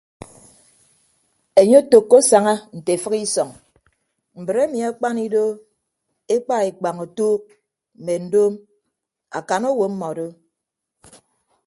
Enye otәkko asaña nte efịk isọñ mbre emi akpan ido ekpa ekpañ otuuk mme ndoom akan owo mmọdo.